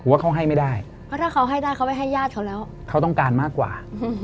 ว่าเขาให้ไม่ได้เพราะถ้าเขาให้ได้เขาไปให้ญาติเขาแล้วเขาต้องการมากกว่า